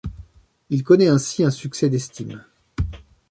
Il connaît ainsi un succès d'estime.